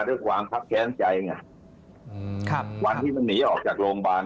ได้ความแคร์จัดการผู้หาของฉัน